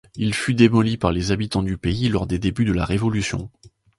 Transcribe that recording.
Il fut démoli par les habitants du pays lors des débuts de la Révolution.